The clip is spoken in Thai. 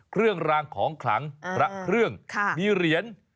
เครื่องรางของขลังพระเครื่องมีเหรียญ